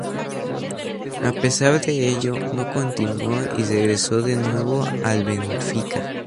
A pesar de ello, no continuo y regreso de nuevo al Benfica.